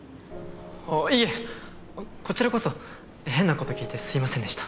いえこちらこそ変なこと聞いてすいませんでした。